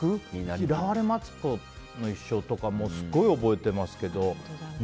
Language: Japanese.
「嫌われ松子の一生」とかすごい覚えてますけど。